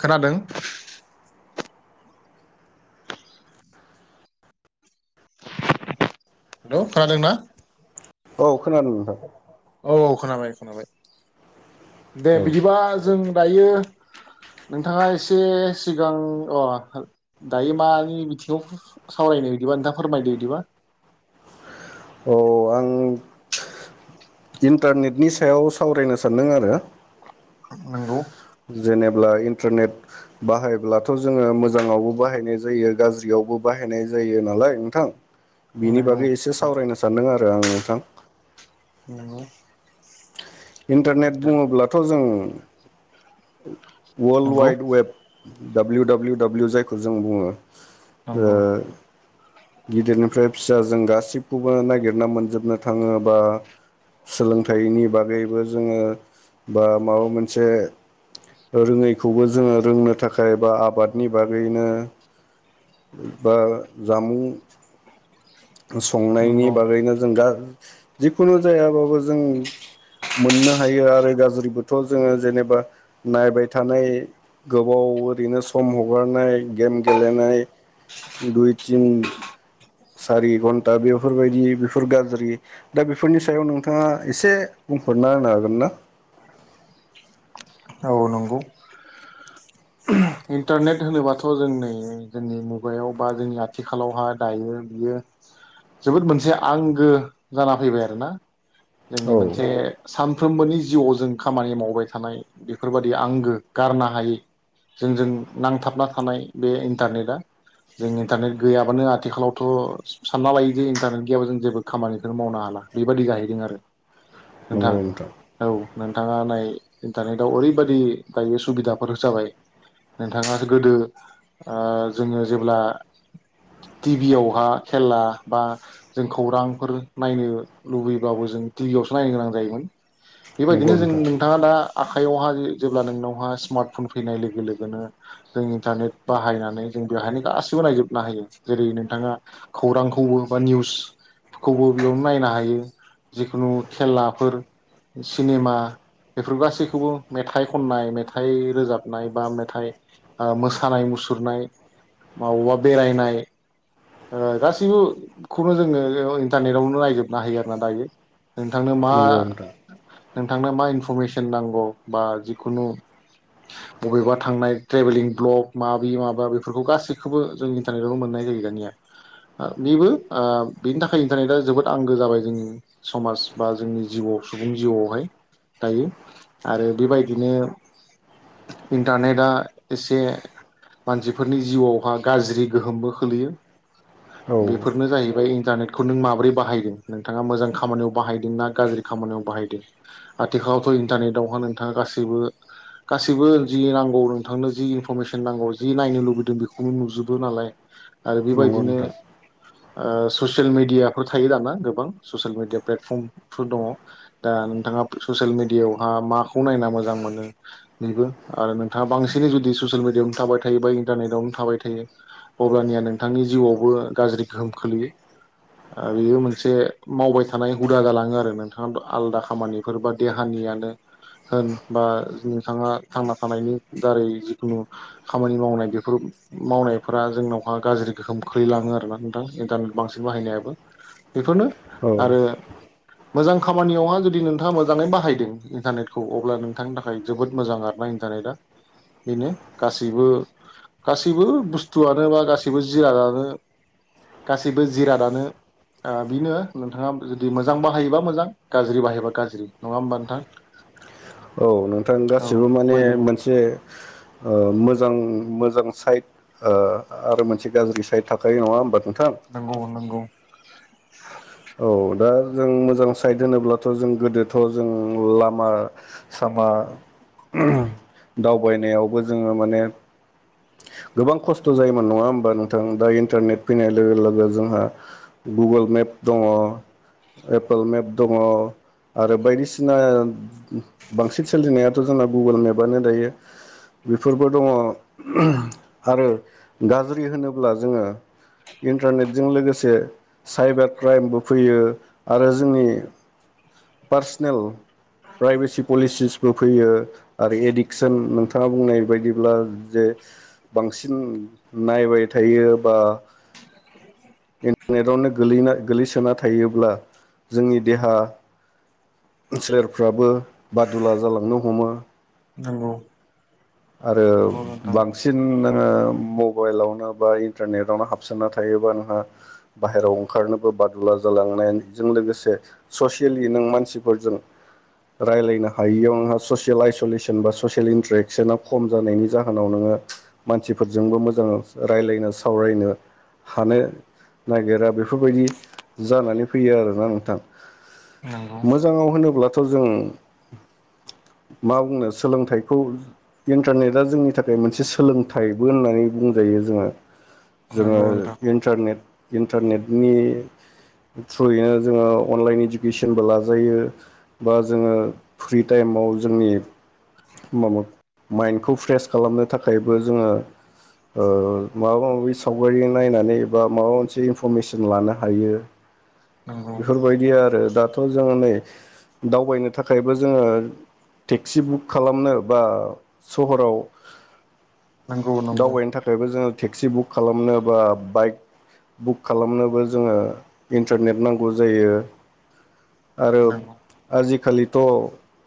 खोनादों। हेल' खोनादोंना? औ खोनादों नोथां। औ खोनाबाय खोनाबाय। दे औ बिदिबा जों दायो नोंथाङा एसे सिगां अ दायो मानि बिथिङाव सावरायनो बिदिबा नोंथाङा फोरमायदो बिदिबा। औ आं इन्टारनेटनि सायाव सावरायनो सानदों आरो। नोंगौ। जेनेब्ला इन्टारनेट बाहायब्लाथ' जोङो मोजाङावबो बाहायनाय जायो गाज्रियावबो बाहायनाय जायो नालाय नोंथां। बिनि नंगौ बागै एसे सावरायनो सानदों आरो। रो आं नोंथां। नोंगौ। इन्टारनेट बुङोब्लाथ' जों [unintelligible] वार्ल्ड नंगौ wide web. W W W जायखौ जों बुङो। ओ नंगौ गिदिरनिफ्राय फिसा जों गासिबखौबो नागिरना मोनजोबनो थाङो बा सोलोंथाइनि बागै बो जोङो बा माबा मोनसे रोङैखौबो जोङो रोंनो थाखाय बा आबादनि बागैनो बा जामुं संनायनि नंगौ बागैनो जों दा जिखुनु जायाबाबो जों मोननो हायो आरो गाज्रिबोथ' जोङो जेनेबा नायबाय थानाय गोबाव ओरैनो सम हगारनाय गेम गेलेनाय दुइ तिन सारि खन्था बेयाव बेफोरबायदि बेफोर गाज्रि दा बेफोरनि सायाव नोंथाङा एसे बुंफोर ना होनो हागोन ना औ नंगौ इन्टारनेट होनोबाथ' जों नै जोंनि मुगायाव बा जोंनि आथिखालावहा दायो बियो जोबोद मोनसे आंगो जाना फैबाय आरोना जोंनि औ मोनसे साम फ्रोमबोनि जिउआव जों खामानि मावबाय थानाय बेफोरबायदि आंगो गारनो हायै जोंजों नांथाबना थानाय बे इन्टारनेटआ जों इन्टारनेट गैयाबानो आथिखालावथ' सानना लायो जे इन्टारनेट गैयाबा जों जेबो खामानिखौनो मावनो हाला बेबादि जाहैदों आरो नोंथां औ नोंथाङा नाय इन्टारनेटआव ओरैबदि दायो सुबिदाफोर जाबाय नोंथाङा गोदो आ जोङो जेब्ला टिभियावहा खेला बा जों खौरांफोर नायनो लुबैब्लाबो जों टिभियावसो नायनो गोनां जायोमोन बेबायदिनो नंगौ जों नोंथां नोंथाङा दा आखायावहा जेब्ला नोंनावहा स्मार्टफन फैनाय लोगो लोगोनो जों इन्टारनेट बाहायनानै जों बेवहायनो गासैबो नायजोबनो हायो जेरै नोंथाङा खौरांखौबो बा निउसखौबो बेयावनो नायनो हायो जिखुनु खेलाफोर सिनेमा बेफोर गासैखौबो मेथाइ खननाय मेथाइ रोजाबनाय बा मेथाइ ओ मोसानाय मुसुरनाय मावबा बेरायनाय ओ गासैबोखौनो जोङो इन्टारनेटआवनो नायजोबनो होयो आरो ना दायो नोंथांनो मा नंगौ नोंथां नोंथांनो मा इनफरमेसोन नांगौ बा जिखुनु बबेबा थांनाय ट्रेभेलिं ब्लग माबि माबा बेफोरखौ गासैखौबो जों इन्टारनेटआवनो मोननाय जायो दानिया बेबो ओ बेनि थाखाय इन्टारनेटआ जोबोद आंगो जाबाय जोंनि समाज बा जोंनि जिबआव सुबुंनि जिउआवहाय दायो आरो बेबायदिनो इन्टारनेटआ एसे मानसिफोरनि जिउआवहा गाज्रि गोहोमबो खोलैयो औ बेफोरनो जायो बै इन्टारनेटखौ नों माब्रै बाहायदों नोंथाङा मोजां खामानियाव बाहायदों ना गाज्रि खामानियाव बाहायदों आथिखालावथ' इन्टारनेटावहा नोंथाङा गासैबो गासैबो जि नांगौ नोंथांनो जि इनफरमेसन नांगौ जि नायनो लुबैदों बेखौनो नुजोबो नालाय आरो नंगौ बेबायदिनो नोंथां आ ससियेल मिडियाफोर थायो दाना गोबां ससियेल मिडिया प्लेटफर्मफोर दङ दा नोंथाङा ससियेल मिडियाआवहा माखौ नायना मोजां मोनो बेबो आरो नोंथाङा बांसिनै जुदि ससियेल मिडियायावनो थाबाय थायो बा इन्टारनेटआवनो थाबाय थायो अब्लानिया नोंथांनि जिउआवबो गाज्रि गोहोम खोलैयो बेयो मोनसे मावबाय थानाय हुदा जालाङो आरो नों थाङाबो आलदा खामानिफोर बा देहानियानो होन बा नोंथाङा थांना थानायनि दारै जिखुनु खामानि मावनाय बेफोर मावनायफोरा जोंनावहा गाज्रि गोहोम खोलैलाङो आरोना नोंथां इन्टारनेट बांसिन बाहायनायाबो बेफोरनो औ आरो मोजां खामानियावहा जुदि नोंथाङा मोजाङै बाहायदों इन्टारनेटखौ अब्ला नोंथांनि थाखाय जोबोद मोजां आरो ना इन्टारनेटआ बेनो गासैबो गासैबो बुस्थुआनो बा गासैबो जिरादानो गासैबो जिरादानो बेनो नोंथाङा जुदि मोजां बाहायोबा मोजां गाज्रि बाहायबा गाज्रि नङा होमबा नोंथां औ नोंथां औ गासिबो माने बेबायदिनो मोनसे मोजां मोजां साइद आरो मोनसे गाज्रि साइद थाख नङा होमबा नोंथां? नंगौ नंगौ [inaudible] औ दा जों मोजां साइद होनोब्लाथ' जों गोदोथ' जों लामा सामा दावबायनायावबो जोङो माने गोबां खस्थ' जायोमोन नङा होमबा नोंथां दा इन्टारनेट फैनाय लोगो लोगो जोंहा गुगोल मेप दङ एप्पोल मेप दङ आरो बायदिसिना बांसिन सोलिनायाथ' जोंना गुगोल मेपआनो दायो बेफोरबो दङ आरो गाज्रि होनोब्ला जोङो इन्टारनेटजों लोगोसे साइबार क्राइमबो फैयो आरो जोंनि पार्सनेल प्राइभेसि पलिसिसबो फैयो आरो एडिकसन नोंथाङा बुंनाय बायदिब्ला जे बांसिन नायबाय थायो बा इन्टारनेटआवनो गोै गोलैसोना थायोब्ला जोंनि देहा सोलेरफ्राबो बादुला जालांनो हमो नंगौ आरो नंगौ नोंथां बांसिनों मबाइलावनो बा इन्टारनेटावनो हाबसोना थायोबा नोंहा बाहेरायाव ओंखारनोबो बादुला जालांनायजों लोगोसे ससियेलि नों मानसिफोरजों रायलायनो हायियाव नोंहा ससियेल आइसलेसन जेनबा ससियेल इन्ट्रेकसना खम जानायनि जाहोनाव नोङो मानसिफोरजोंबो मोजां रायलायनो सावरायनो हानो नागिरा बेफोरबायदि जानानै फैयो आरोना नोंथां नंगौ मोजाङाव होनोब्ला थ जों मा बुंनो सोलोंथाइखौ इन्टारनेट जोंनि थाखाय मोनसे सोलोंथाइबो होननानै बुंजायो जोङो जोङो नंगौ नोंथां इन्टारनेट इन्टारनेटनि थ्रुयैनो जोङो अनलाइन इडुकेसनबो लाजायो बा जोङो फ्रि टाइमाव जोंनि माम माइन्डखौ फ्रेस खालामनो थाखायबो जोङो माबा - माबि सावगारि नायनानै बबा माबा मोनसे इनफरमेसन लानो हायो नंगौ बेफोरबायदि आरो दा खौ जोङो नै दावबायनो थाखायबो जोङो टेक्सि बुक खालामनो बा सहराव नंगौ नंगौ दावबायनो थाखायबो जोङो टेक्सि बुक खालामनो बा बाइक बुक खालामनोबो जोङो इन्टारनेट नांगौ जायो आरो नंगौ आजि खालिथ'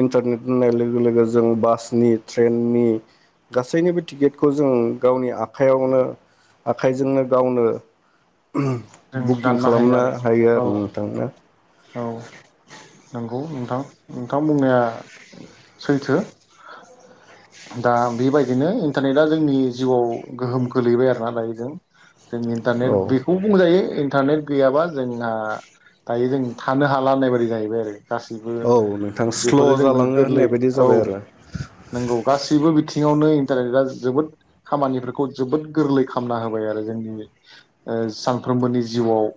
इन्टारनेट होननाय लोगो लोगो जों बासनि ट्रेननि गासैनिबो टिकेटखौ जों गावनि आखायावनो आखाइजोंनो गावनो जों बुकिं दाननो हायो खालामनो आरो हायो औ आरो नोंथां ना औ नंगौ नोंथां नोंथां बुंनाया सैथो दा बेबायदिनो इन्टारनेटआ जोंनि जिउआव गोहोम गोलैबाय आरो ना दायोजों जोंनि इन्टारनेट औ बि दायो इन्टारनेट गैयाबा जोंहा दायो जों थानो हाला नाय बाददि जाहैबाय आरो गासैबो औ नोंथां बेफोरो स्ल' जोंनो जालाङो गोरलै होननाय बायदि औ जाबाय आरो नंगौ गासैबो बिथिं सिङावनो इन्टारनेटआ जोबोद खामानिफोरखौ जोबोद गोरलै खालामना होबाय आरो जोंनि सानफ्रोमबोनि जिउआव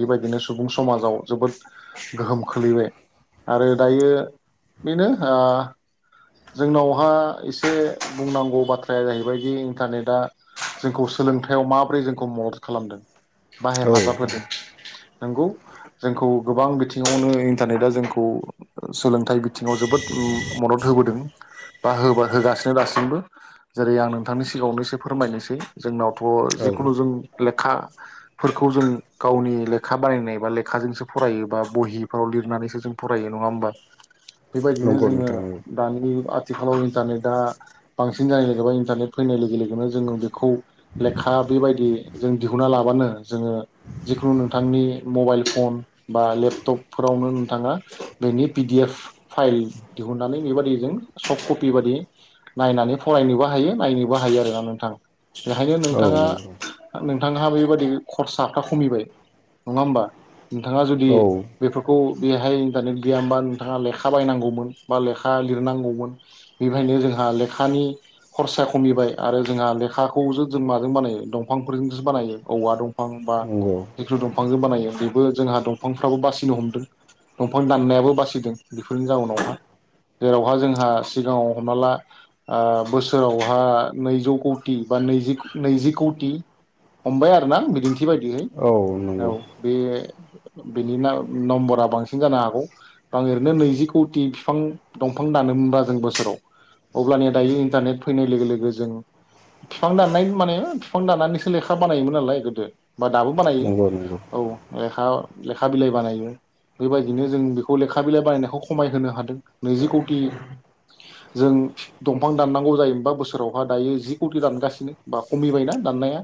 बेबायदिनो सुबुं समाजाव जोबोद गोहोम खोलैबाय आरो दायो बेनो जोंनावहा एसे बुंनांगौ बाथ्राया जाहैबायदि इन्टारनेटआ जोंखौ सोलोंथायाइाव माबोरै जोंखौ महद खालामदों बा औ हेफाजाब होदों नोंगौ जोंखौ गोबां बिथिङावनो इन्टारनेटा जोंखौ सोलों य बिथिङाव जोबोद मदद होबोदों बा होबा होगासिनो दासिमबो जेरै आं नोंथांनि सिगाङावनो एसे फोरमायनोसै जोंनाव थ' औ जिखुनु जों लेखाफोरखौ जों गावनि लेखा बानायनाय बा लेखाजोंसो फरायो बा बहिफोराव लिरनानैसो जों फरायो नङा होमबा बेबायदिनो नंगौ जोङो नोंथां नंगौ दानि आथ थिखालाव इन्टारनेटआ बांसिन जानाय लोगोबा इन्टारनेट फैनाय लोगो - लोगोनो जोंङाव जो खौ लेखा बेबायदि लाबानो जोङो जिखुनु नोंथांनि मबाइल फन बा लेपटपफोरावनो नोंथाङा बेनि पिडि एफ फाइल दिहुननानै बेबादि जों सफ्ट कपि बादि नायनानै फरायनोबो हायो नायनोबो हायो आरोना नोंथां बेहायनो औ नोंथाङा नंगौ नोंथांहा बेबायदि खरसाफ्रा खमिबाय नङा होमबा नोंथाङा जुदि औ बेफोरखौ बेहाय इन्टारनेट गैयामबा नोंथाङा लेखा बायनांगौमोन बा लेखा लिरनांगौमोन बेहायनो जोंहा लेखानि खरसा खमिबाय आरो जोंहा लेखाखौ जो जों माजों बानाय दं फांफोरजोंसो बानायो औवा दंफां बा नंगौ जिखुनु दंफांजों बानायो बेबो जोंहा दंफांफ्राबो बासिनो हमदों दंफां दाननायाबो बासिदों बेफोरनि जाउनावहा जेरावहा जोंहा सिगाङाव हमना ला आ बोसोरावहा नैजौ कौटि बा नैजि - नैजि कौटि हमबाय आरो ना बिदिन थि बिबायदिहै औ औ नंगौ बे बेनि ना नम्बरा बांसिन जानो हागौ बां ओरैनो नैजि कौटि फिफां दंफां दानोमोनबा जों बोसोराव अब्लानिया दायो इन्टारनेट फैनाय लोगो लोगो जों फिफां दाननाय माने फिफां दानानै स सो लेखा बानायोमोन नालाय गोदो बा दाबो बानायो नंगौ नंगौ औ लेखा लेखा बिलाइ बानायो बेबायदिनो जों बेखौ लेखा बिलाइ बानायनायखौ खमायहोनो हादों नैजि कौटि जों दंफां दाननांगौ जायोबा बोसोरावहा दायो जि कौटि दानगासिनो बा खमिबायना दाननाया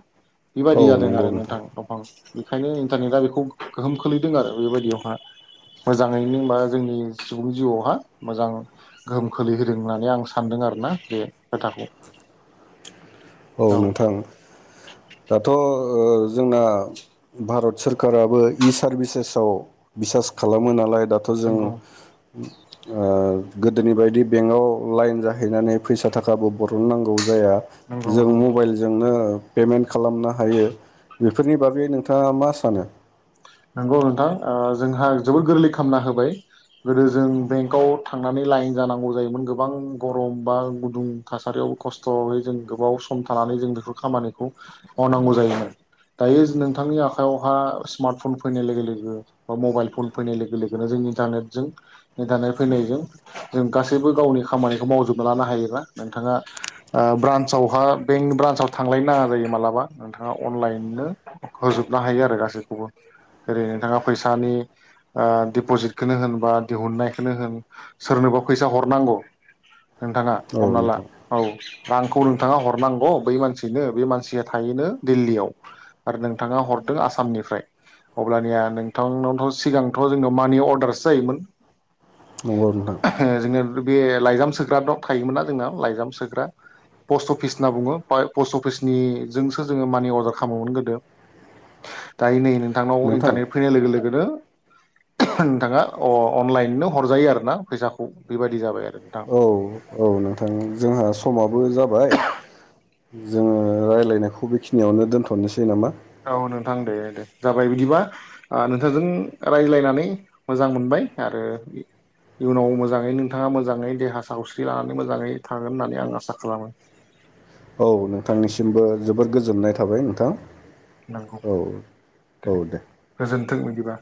औ बेबायदि जादों नंगौ आरो नोंथां दंफां बेखायनो इन्टारनेटआ बेखौ गोहोम खोलैदों आरो बेबायदियावहा मोजाङैनो मा जोंनि सुबुंनि जिउआवहा मोजां गोहोम खोलैहोदों होननानै आं सानदों आरोना बे खोथाखौ औ नोंथां दाथ ओ ओ जोंना भारत सोरखाराबो इ सारभिसेसाव बिसास खालामो नालाय दाथ जों उम नंगौ ओ गोदोनि बायदि बेंकआव लाइन जाहैनानै फैसा थाखाबो बरन नांगौ जाया नंगौ नंगौ मबाइलजों नो पेमेट खालामनो हायो बेफोरनि बागै नोंथाङा मा सानो नंगौ नोंथां ओ जोंहा जोबोद गोरलै खालामामना होबाय गोदो जों बेंकाव थांनानै लाइन जानांगौ जायोमोन गोबां गरम बा गुदुं थासारियाव खस्थयै जों गोबाव सम थानानै जों बेफोर खामानिखौ मावनांगौ जायोमोन दायोज नोंथांनि आखायावहा स्मार्टफन लोगो लोगो बा मबाइल फन फैनाय लोगो लोगोनो जोंनि इन्टारनेटजों इन्टारनेट फैनायजों जों गासैबो गावनि खामानिखौ मावजोबना लानो हायोबा नोंथाङा ओ ब्रान्सआवहा बेंक ब्रान्साव थांलायनो नाङा जायो मालाबा नोंथाङा अनलाइननो होजोबनो हायो आरो गासैखौबो जेरै नोंथाङा फैसानि ओ दिपजिटखौनो होन बा दिहुनन्नायखौनो होन सोरनोबा फैसा हरनांगौ नोंथाङा औ हमना ला नोंथां औ रांखौ नोंथाङा हरनांगौ बै मानसिनो बे मानसिया थायोनो दिल्लीयाव आरो नोंथाङा हरदों आसामनिफ्राय अब्लानिया नोंथांनावथ सिगांथ जोंनाव मानि अर्डारसो जायोमोन नंगौ नोंथां ओ जोंनोल बे लाइजाम सोग्रा द थायोमोनना जोंनाव लाइजाम सोग्रा पस्ट अफिस होनना बुङो पाइ पस्ट अफिसनिजोंसो जोङो मानि अर्डार खामोमोन गोदो दायो नै नों थांनाव नोंथां इन्टारनेट फैनाय लोगो लोगो हो नोंथाङा अ अनलाइननो हरजायो आरोना फैसाखौ बेबायदि जाबाय आरो नोंथां उम जोंहा समाब बो जाबाय जोङो रायज्लायनायखौ बेखिनियावनो दोनथ'नोसै नामा औ नोंथां दे दे जाबाय बिदिबा नोंथांजों रायज्लायनानै मोजां मोनबाय आरो इयुनाव मोजाङै नोंथाङा मोजाङै देहा सावस्रि लानानै मोजाङै थागोन होननानै आं आसा खालामो औ नोंथांनिसिमबो जोबोर गोजोननाय थाबाय नोंथां औ दे औ दे गोजोनथों बिदिबा